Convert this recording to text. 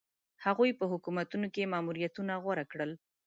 هغوی په حکومتونو کې ماموریتونه غوره کړل.